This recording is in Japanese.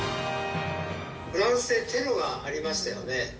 フランスでテロがありましたよね。